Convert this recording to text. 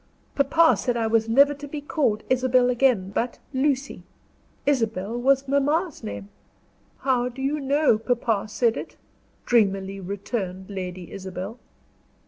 Papa said I was never to be called Isabel again, but Lucy. Isabel was mamma's name." "How do you know papa said it?" dreamily returned Lady Isabel.